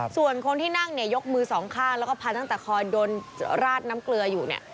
ส่วนคนที่นั่งเนี่ยยกมือสองข้างแล้วก็พันตั้งแต่คอยโดนราดน้ำเกลืออยู่เนี่ย